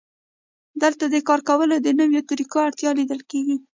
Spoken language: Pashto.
دلته د کار کولو د نویو طریقو اړتیا لیدل کېږي